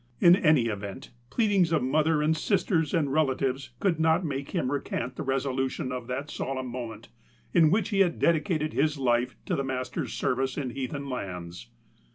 In any event, pleadings of mother and sisters and rela tives could not make him recant the resolution of that solemn moment in which he had dedicated his life to the Master's service in heathen lands.